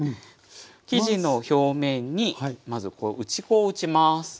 生地の表面にまず打ち粉を打ちます。